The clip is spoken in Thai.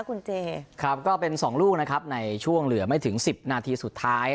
คุณเจครับก็เป็นสองลูกนะครับในช่วงเหลือไม่ถึงสิบนาทีสุดท้าย